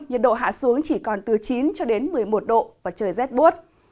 nhiệt độ hạ xuống chỉ còn từ chín cho đến một mươi một độ và trời rét buốt